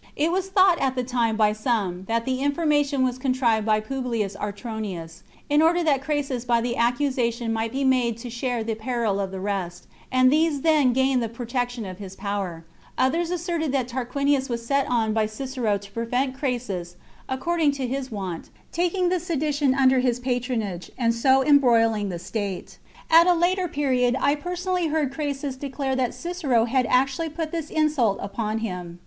It was thought at the time by some that the informa tion was contrived by Publius Autronius, in order that Crassus by the accusation might be made to share the peril of the rest, and these then gain the Jection of his powerT^ Others asserted that TaiA lius was set on by Cicero to prevent Crassus, •rding to his wont, taking the sedition under his onage, and so embroiling the state. At a later i^^^xod I personally heard Crassus declare that Cicero had actuallyput_this insult upon him.